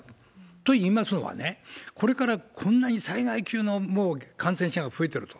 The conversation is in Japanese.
といいますのはね、これからこんなに災害級のもう感染者が増えていると。